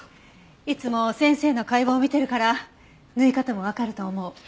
いつも先生の解剖を見てるから縫い方もわかると思う。